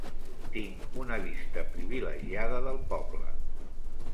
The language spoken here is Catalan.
Tinc una vista privilegiada del poble.